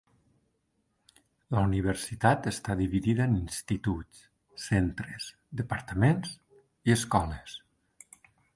La universitat està dividida en instituts, centres, departaments i escoles.